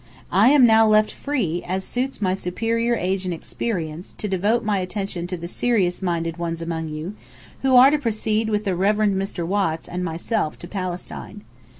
I am now left free, as suits my superior age and experience, to devote my attention to the serious minded ones among you, who are to proceed with the Reverend Mr. Watts and myself to Palestine.